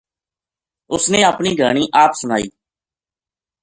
اُس نے اپنی گھانی آپ سنائی